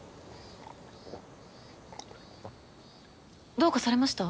どうかされました？